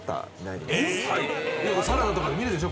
サラダとかで見るでしょ